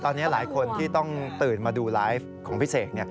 ตอนนี้หลายคนที่ต้องตื่นมาดูไลฟ์ของพี่เสก